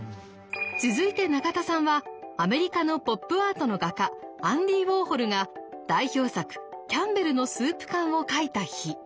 続いて中田さんはアメリカのポップアートの画家アンディ・ウォーホルが代表作「キャンベルのスープ缶」を描いた日。